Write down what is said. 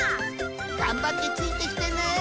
頑張ってついてきてね！